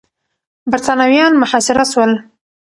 برتانويان محاصره سول.